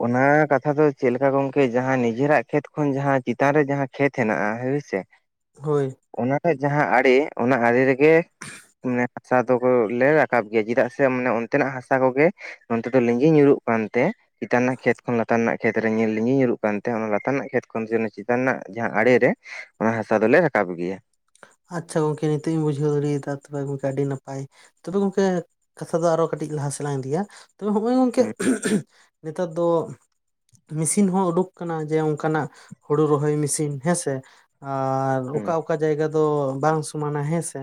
ᱚᱱᱟ ᱠᱟᱛᱷᱟ ᱫᱚ ᱪᱮᱫ ᱞᱮᱠᱟ ᱜᱚᱝᱠᱮ ᱡᱟᱦᱟ ᱱᱤᱡᱮ ᱨᱟᱜ ᱠᱷᱮᱛ ᱠᱷᱚᱱ ᱡᱟᱦᱟ ᱪᱮᱛᱟᱱ ᱨᱮ ᱡᱟᱦᱟ ᱠᱷᱮᱛᱼᱼ ᱠᱷᱮᱛ ᱦᱮᱱᱟ ᱜᱟ ᱦᱳᱭ ᱥᱮᱼᱼ ᱦᱳᱭ ᱚᱱᱟ ᱴᱟᱜ ᱡᱟᱦᱟᱸ ᱟᱲᱮ ᱚᱱᱟ ᱟᱲᱮ ᱨᱮᱜᱮ ᱢᱟᱱᱮ ᱦᱟᱥᱟ ᱫᱚ ᱞᱮ ᱨᱟᱠᱟᱵ ᱜᱮᱭᱟ ᱪᱮᱫᱟᱜ ᱥᱮ ᱢᱟᱱᱮ ᱚᱱᱛᱮ ᱱᱟᱜ ᱦᱟᱥᱟ ᱠᱚ ᱜᱮ ᱱᱚᱛᱮ ᱫᱚ ᱞᱤᱸᱜᱤ ᱧᱩᱨᱩᱜ ᱠᱟᱱ ᱛᱮ ᱪᱮᱛᱟᱱ ᱨᱮᱱᱟᱜ ᱠᱷᱮᱛ ᱠᱷᱚᱱ ᱞᱟᱛᱟᱨ ᱨᱮᱱᱟᱜ ᱠᱷᱮᱛ ᱨᱮ ᱞᱤᱸᱜᱤ ᱧᱩᱨᱩᱜ ᱠᱟᱱ ᱛᱮ ᱚᱱᱟ ᱞᱟᱛᱟᱨ ᱨᱮᱱᱟᱜ ᱠᱷᱮᱛ ᱠᱷᱚᱱ ᱪᱮᱛᱟᱱ ᱨᱮᱱᱟᱜ ᱡᱟᱦᱟᱸ ᱟᱲᱮ ᱨᱮ ᱚᱱᱟ ᱦᱟᱥᱟ ᱫᱚᱞᱮ ᱨᱟᱠᱟᱵ ᱜᱮᱭᱟ ᱟᱪᱪᱷᱟ ᱜᱚᱝᱠᱮ ᱱᱤᱛᱚᱜ ᱤᱧ ᱵᱩᱡᱷᱟᱹᱣ ᱫᱟᱲᱮᱭᱟᱫᱟ ᱛᱚᱵᱮ ᱜᱚᱝᱠᱮ ᱟᱹᱰᱤ ᱱᱟᱯᱟᱭ [unintelligible] ᱜᱚᱢᱠᱮ ᱠᱟᱛᱷᱟ ᱫᱚ ᱟᱨ ᱦᱚᱸ ᱠᱟᱹᱴᱤᱡ ᱞᱟᱦᱟ ᱥᱮᱫ ᱞᱟᱝ ᱤᱫᱤᱭᱟ ᱛᱚᱵᱮ ᱱᱚᱜᱼᱚᱭ ᱜᱚᱝᱠᱮ ᱦᱩᱸ ᱱᱮᱛᱟᱨ ᱫᱚ ᱢᱮᱥᱤᱱ ᱦᱚᱸ ᱳᱰᱳᱠ ᱠᱟᱱᱟ ᱡᱮ ᱚᱱᱠᱟᱱᱟᱜ ᱦᱳᱲᱳ ᱨᱚᱦᱚᱭ ᱢᱮᱥᱤᱱ ᱦᱮᱸᱥᱮ ᱟᱨ ᱦᱩᱸ ᱚᱠᱟ ᱚᱠᱟ ᱡᱟᱭᱜᱟ ᱫᱚ ᱵᱟᱝ ᱥᱚᱢᱟᱱᱟ ᱦᱮᱸᱥᱮ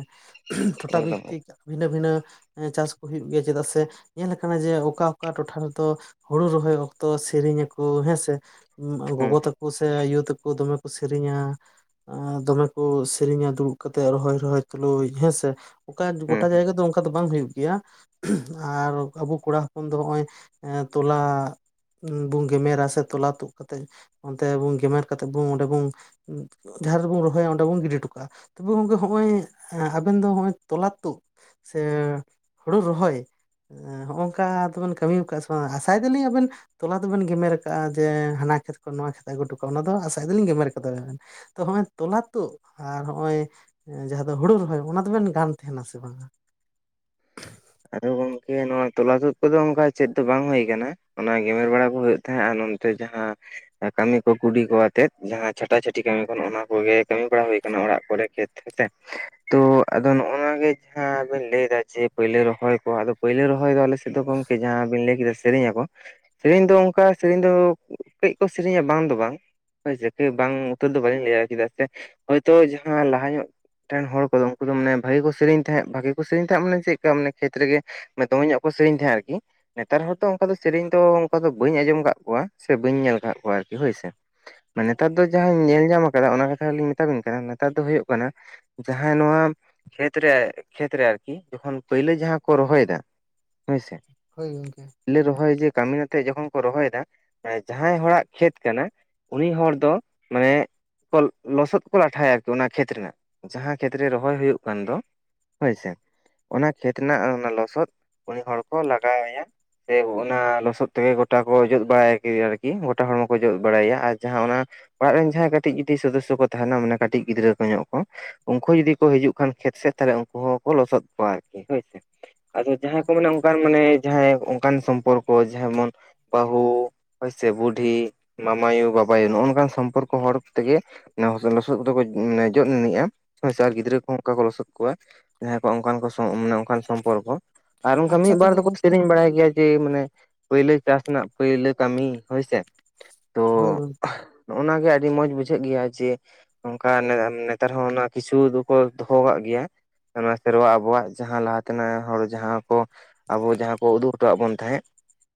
ᱴᱚᱴᱷᱟ ᱮᱠᱫᱚᱢ ᱦᱩᱸ ᱵᱷᱤᱛᱛᱤᱠ ᱵᱷᱤᱱᱟᱹ ᱵᱷᱤᱱᱟᱹ ᱮᱸ ᱪᱟᱥ ᱠᱚ ᱦᱩᱭᱩᱜ ᱜᱮᱭᱟ ᱪᱮᱫᱟᱜ ᱥᱮ ᱧᱮᱞ ᱠᱟᱱᱟ ᱡᱮ ᱚᱠᱟ ᱚᱠᱟ ᱴᱚᱴᱷᱟ ᱨᱮᱫᱚ ᱦᱳᱲᱳ ᱨᱚᱦᱚᱭ ᱚᱠᱛᱚ ᱥᱮᱨᱮᱧ ᱟᱠᱚ ᱦᱮᱸᱥᱮ ᱦᱩᱸ ᱜᱚᱸᱜᱚᱸ ᱛᱟᱠᱚ ᱥᱮ ᱟᱭᱳ ᱛᱟᱠᱚ ᱫᱚᱢᱮ ᱠᱚ ᱥᱮᱨᱮᱧᱟ ᱫᱚᱢᱮ ᱠᱚ ᱥᱮᱨᱮᱧᱟ ᱫᱩᱲᱩᱵ ᱠᱟᱛᱮᱫ ᱨᱚᱦᱚᱭ ᱨᱚᱦᱚᱭ ᱛᱩᱞᱩᱡ ᱦᱮᱸᱥᱮ ᱚᱠᱟ ᱦᱩᱸ ᱜᱚᱴᱟ ᱡᱟᱭᱜᱟ ᱫᱚ ᱚᱱᱠᱟ ᱫᱚ ᱵᱟᱝ ᱦᱩᱭᱩᱜ ᱜᱮᱭᱟ ᱟᱨ ᱟᱵᱚ ᱠᱚᱲᱟ ᱦᱚᱯᱚᱱ ᱫᱚ ᱦᱚᱜᱼᱚᱭ ᱛᱚᱞᱟ ᱵᱚᱱ ᱜᱮᱢᱮᱨᱟ ᱥᱮ ᱛᱚᱞᱟ ᱛᱩᱫ ᱠᱟᱛᱮᱜ ᱚᱱᱛᱮ ᱵᱩᱱ ᱜᱮᱢᱮᱨ ᱠᱟᱛᱮᱜ ᱵᱩᱱ ᱚᱸᱰᱮ ᱵᱩᱱ ᱡᱟᱦᱟᱸ ᱨᱮᱵᱩᱱ ᱨᱚᱦᱚᱭᱟ [unintelligible] ᱵᱩᱱ ᱜᱤᱰᱤ ᱴᱚᱠᱟᱜᱼᱟ, ᱛᱚᱵᱮ ᱜᱚᱝᱠᱮ ᱦᱚᱜᱼᱚᱭ ᱟᱵᱮᱱ ᱫᱚ ᱦᱚᱜᱼᱚᱭ ᱛᱚᱞᱟ ᱛᱳᱜ ᱥᱮ ᱦᱳᱲᱳ ᱨᱚᱦᱚᱭ ᱦᱚᱸ ᱚᱝᱠᱟ ᱫᱚ ᱵᱮᱱ ᱠᱟᱹᱢᱤ ᱠᱟᱜ ᱥᱮ ᱵᱟᱝ ᱟᱥᱟᱭ ᱫᱟᱞᱹᱤᱧ ᱟᱵᱤᱱ ᱛᱚᱞᱟ ᱫᱚ ᱵᱮᱱ ᱜᱮᱢᱮᱨ ᱠᱟᱜᱼᱟ ᱡᱮ ᱦᱟᱱᱟ ᱠᱷᱮᱛ ᱠᱷᱚᱱ ᱱᱚᱣᱟ ᱠᱷᱮᱛ ᱟᱹᱜᱩ ᱴᱚᱠᱟᱜᱼᱟ ᱚᱱᱟ ᱫᱚ ᱟᱥᱟᱭ ᱫᱟᱞᱤᱧ ᱜᱮᱢᱮᱨ ᱠᱟᱫᱟ ᱵᱤᱱ ᱛᱚ ᱦᱚᱸ-ᱚᱭ ᱛᱚᱞᱟ ᱛᱳᱜ ᱟᱨ ᱦᱚᱜ-ᱚᱭ ᱡᱟᱦᱟᱸ ᱫᱚ ᱦᱳᱲᱳ ᱨᱚᱦᱚᱭ ᱚᱱᱟ ᱫᱚ ᱵᱮᱱ ᱜᱟᱱ ᱛᱟᱦᱮᱱᱟ ᱥᱮ ᱵᱟᱝᱼᱟ? ᱟᱫᱚ ᱜᱚᱢᱠᱮ ᱱᱚᱣᱟ ᱛᱚᱞᱟ ᱛᱳᱫ ᱠᱚᱫᱚ ᱚᱱᱠᱟ ᱪᱮᱫ ᱫᱚ ᱵᱟᱝ ᱦᱳᱭ ᱠᱟᱱᱟ ᱚᱱᱟ ᱜᱮᱢᱮᱨ ᱵᱟᱲᱟ ᱠᱚ ᱦᱩᱭᱩᱜ ᱛᱟᱦᱮᱸᱜ ᱟᱨ ᱱᱚᱱᱛᱮ ᱡᱟᱦᱟᱸ ᱠᱟᱹᱢᱤ ᱠᱚ ᱠᱩᱰᱤ ᱠᱚ ᱟᱛᱮᱫ ᱡᱟᱦᱟᱸ ᱪᱷᱟᱴᱟ ᱪᱷᱟᱹᱴᱤ ᱠᱟᱹᱢᱤ ᱠᱚ ᱱᱚᱜ ᱱᱚᱣᱟ ᱠᱚᱜᱮ ᱠᱟᱹᱢᱤ ᱵᱟᱲᱟ ᱦᱩᱭ ᱠᱟᱱᱟ ᱚᱲᱟᱜ ᱠᱚᱨᱮ ᱠᱷᱮᱛ ᱦᱮᱸᱛᱮ ᱛᱚ ᱟᱫᱚ ᱱᱚᱜᱼᱚ ᱱᱚᱣᱟ ᱜᱮ ᱡᱟᱦᱟᱸ ᱵᱮᱱ ᱞᱟᱹᱭᱫᱟ ᱡᱮ ᱯᱳᱭᱞᱳ ᱨᱚ ᱦᱚᱭ ᱠᱚ ᱟᱫᱚ ᱯᱟᱹᱭᱞᱟᱹ ᱨᱚᱦᱚᱭ ᱫᱚ ᱟᱞᱮᱥᱮᱫ ᱫᱚ ᱜᱚᱢᱠᱮ ᱡᱟᱦᱟᱸᱵᱤᱱ ᱞᱟᱹᱭ ᱠᱮᱫᱟ ᱥᱮᱨᱮᱧ ᱟᱠᱚ ᱥᱮᱨᱮᱧ ᱫᱚ ᱚᱱᱠᱟ ᱥᱮᱨᱮᱧ ᱫᱚ ᱠᱟᱹᱡ ᱠᱚ ᱥᱮᱨᱧᱟ ᱵᱟᱝ ᱫᱚ ᱵᱟᱝ ᱦᱳᱭᱥᱮ ᱠᱤ ᱵᱟᱝ ᱩᱛᱟᱹᱨ ᱫᱚ ᱵᱟᱹᱞᱤᱧ ᱞᱟᱹᱭᱟ ᱪᱮᱫᱟᱜ ᱥᱮ ᱦᱚᱭᱛᱳ ᱡᱟᱦᱟᱸ ᱞᱟᱦᱟ ᱧᱚᱜ ᱴᱮᱱ ᱦᱚᱲ ᱠᱚᱫᱚ ᱩᱱᱠᱩ ᱫᱚ ᱢᱟᱱᱮ ᱵᱷᱟᱜᱮ ᱠᱚ ᱥᱮᱨᱮᱧ ᱛᱟᱦᱮᱫ ᱵᱷᱟᱜᱮ ᱠᱚ ᱥᱮᱨᱮᱧ ᱛᱟᱦᱮᱸᱫ ᱢᱟᱱᱮ ᱪᱮᱫᱠᱟ ᱢᱟᱱᱮ ᱠᱷᱮᱛ ᱨᱮᱜᱮ [unintelligible] ᱫᱚᱢᱮᱧᱚᱜ ᱠᱚ ᱥᱮᱨᱮᱧ ᱛᱟᱦᱮᱸᱜ ᱟᱨᱠᱤ ᱱᱮᱛᱟᱨ ᱦᱚᱸᱛᱚ ᱚᱱᱠᱟ ᱫᱚ ᱥᱮᱨᱮᱧ ᱫᱚ ᱚᱱᱠᱟ ᱫᱚ ᱵᱟᱹᱧ ᱟᱸᱡᱚᱢ ᱠᱟᱜ ᱠᱚᱣᱟ ᱥᱮ ᱵᱟᱹᱧ ᱧᱮᱞ ᱠᱟᱫ ᱠᱚᱣᱟ ᱟᱨᱠᱤ ᱦᱳᱭᱥᱮ ᱢᱟᱱᱮ ᱱᱮᱛᱟᱨ ᱫᱚ ᱡᱟᱦᱟᱸᱧ ᱧᱮᱞ ᱧᱟᱢ ᱠᱟᱫᱟ ᱚᱱᱟ ᱠᱟᱛᱷᱟ ᱞᱤᱧ ᱢᱮᱛᱟ ᱵᱤᱱ ᱠᱟᱱᱟ ᱱᱮᱛᱟᱨ ᱫᱚ ᱦᱩᱭᱩᱜ ᱠᱟᱱᱟ ᱡᱟᱦᱟᱸᱭ ᱱᱚᱣᱟ ᱠᱷᱮᱛᱨᱮ ᱠᱷᱮᱛᱨᱮ ᱟᱨᱠᱤ ᱡᱚᱠᱷᱚᱱ ᱯᱟᱹᱭᱞᱟᱹ ᱡᱟᱦᱟᱸ ᱠᱚ ᱨᱚᱦᱚᱭᱮᱫᱟ ᱦᱳᱭᱥᱮ ᱦᱳᱭ ᱜᱚᱝᱠᱮ ᱞᱮ ᱨᱚᱦᱚᱭ ᱡᱮ ᱠᱟᱹᱢᱤᱱ ᱟᱛᱮᱜ ᱡᱚᱠᱷᱚᱱ ᱠᱚ ᱨᱚᱦᱚᱭᱫᱟ ᱡᱟᱦᱟᱸᱭ ᱦᱚᱲᱟᱜ ᱠᱷᱮᱛ ᱠᱟᱱᱟ ᱩᱱᱤ ᱦᱚᱲ ᱫᱚ ᱢᱟᱱᱮ [unintelligible] ᱞᱚᱥᱚᱫ ᱠᱚ ᱞᱟᱴᱷᱟᱭᱟ ᱟᱨᱠᱤ ᱚᱱᱟ ᱠᱷᱮᱛ ᱨᱮᱱᱟᱜ ᱡᱟᱦᱟᱸ ᱠᱷᱮᱛᱨᱮ ᱨᱚᱦᱚᱭ ᱦᱳᱭᱳᱜ ᱠᱟᱱ ᱫᱚ ᱦᱳᱭᱥᱮ ᱚᱱᱟ ᱠᱷᱮᱛ ᱨᱮᱱᱟᱜ ᱚᱱᱟ ᱞᱚᱥᱚᱫ ᱩᱱᱤ ᱦᱚᱲ ᱠᱚ ᱞᱟᱜᱟᱣ ᱟᱭᱟ ᱥᱮ ᱚᱱᱟ ᱞᱚᱥᱚᱫ ᱛᱮᱜᱮ ᱜᱚᱴᱟ ᱠᱚ ᱚᱡᱚᱜ ᱵᱟᱲᱟᱭᱟ ᱟᱨᱠᱤ ᱜᱚᱴᱟ ᱦᱚᱲᱢᱚ ᱠᱚ ᱚᱡᱚᱜ ᱵᱟᱲᱟᱭᱟ ᱟᱨ ᱡᱟᱦᱟᱸ ᱚᱱᱟ ᱚᱲᱟᱜ ᱨᱮᱱ ᱡᱟᱦᱟᱸᱭ ᱠᱟᱹᱴᱤᱡ ᱡᱩᱫᱤ ᱥᱚᱫᱚᱥᱥᱚ ᱠᱚ ᱛᱟᱦᱮᱸᱱᱟ ᱢᱟᱱᱮ ᱠᱟᱹᱴᱤᱡ ᱜᱤᱫᱽᱨᱟᱹ ᱠᱚ ᱧᱚᱸᱜ ᱠᱚ ᱩᱱᱠᱩ ᱡᱩᱫᱤ ᱠᱚ ᱦᱤᱡᱩᱜ ᱠᱷᱟᱱ ᱠᱷᱮᱛ ᱥᱮᱫ ᱛᱟᱦᱚᱞᱮ ᱩᱱᱠᱩ ᱦᱚᱸᱠᱚ ᱞᱚᱥᱚᱫ ᱠᱚᱣᱟᱭ ᱥᱮ ᱦᱳᱭᱥᱮ ᱟᱫᱚ ᱡᱟᱦᱟᱸᱭ ᱠᱚ ᱢᱮᱱᱟ ᱚᱱᱠᱟ ᱢᱟᱱᱮ ᱡᱟᱦᱟᱸᱭ ᱚᱱᱠᱟᱱ ᱥᱚᱢᱯᱚᱨᱠᱚ ᱡᱟᱦᱟᱸᱢᱚᱱ ᱵᱟᱹᱦᱩ ᱦᱚᱭ ᱥᱮ ᱵᱩᱰᱷᱤ ᱢᱟᱢᱟᱭᱩ ᱵᱟᱵᱟᱭᱩ ᱱᱚᱜᱼᱚ ᱱᱚᱝᱠᱟᱱ ᱥᱚᱢᱯᱚᱨᱠᱚ ᱦᱚᱲ ᱛᱮᱜᱮ [unintelligible] ᱞᱚᱥᱚᱫ ᱠᱚᱫᱚ ᱠᱚ ᱡᱚᱫ ᱮᱱᱤᱡᱼᱟ ᱟᱨ ᱦᱳᱭ ᱥᱮ ᱜᱤᱫᱽᱨᱟᱹ ᱠᱚ ᱚᱱᱠᱟ ᱠᱚ ᱞᱚᱥᱚᱫ ᱠᱚᱣᱟ ᱡᱟᱦᱟᱸ ᱠᱚ ᱚᱱᱠᱟᱱ ᱠᱚ ᱢᱟᱱᱮ ᱚᱱᱠᱟᱱ ᱥᱚᱢᱯᱚᱨᱠᱚ ᱟᱨ ᱚᱱᱠᱟ ᱟᱪᱪᱷᱟ ᱢᱤᱫᱵᱟᱨ ᱛᱚᱵᱮ ᱫᱚᱠᱚ ᱜᱚᱢᱠᱮ ᱥᱮᱨᱮᱸᱧ ᱵᱟᱲᱟᱭ ᱜᱮᱭᱟ᱾ ᱡᱮ ᱢᱟᱱᱮ ᱯᱟᱹᱭᱞᱟᱹ ᱪᱟᱥ ᱨᱮᱱᱟᱜ ᱯᱟᱹᱭᱞᱟᱹ ᱠᱟᱹᱢᱤ ᱦᱳᱭᱥᱮ ᱦᱳᱭ ᱱᱚᱜᱼᱚ ᱱᱚᱣᱟ ᱜᱮ ᱟᱹᱰᱤ ᱢᱚᱸᱡᱽ ᱵᱩᱡᱷᱟᱹᱜ ᱜᱮᱭᱟ ᱡᱮ ᱱᱚᱝᱠᱟ ᱱᱮ ᱱᱮᱛᱟᱨ ᱦᱚᱸ ᱚᱱᱟ ᱠᱤᱪᱷᱩ ᱫᱚᱠᱚ ᱫᱚᱦᱚ ᱠᱟᱜ ᱜᱮᱭᱟ ᱚᱱᱟ ᱥᱮᱨᱣᱟ ᱟᱵᱚᱣᱟᱜ ᱡᱟᱦᱟᱸ ᱞᱟᱦᱟ ᱛᱮᱱᱟᱜ ᱦᱚᱲ ᱡᱟᱦᱟᱸ ᱠᱚ ᱟᱵᱚ ᱡᱟᱦᱟᱸ ᱠᱚ ᱩᱫᱩᱜ ᱦᱚᱴᱚᱣᱟᱜ ᱵᱚᱱ ᱛᱟᱦᱮᱸᱫ᱾